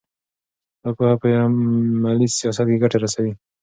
دا پوهه په عملي سیاست کې ګټه رسوي.